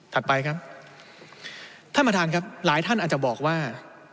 ไปครับท่านประธานครับหลายท่านอาจจะบอกว่า